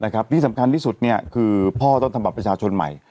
นะครับที่สำคัญที่สุดเนี่ยคือพ่อต้องทำบัตรประชาชนใหม่